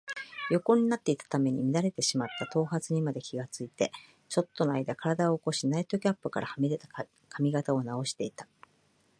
横になっていたために乱れてしまった頭髪にまで気がついて、ちょっとのあいだ身体を起こし、ナイトキャップからはみ出た髪形をなおしていた。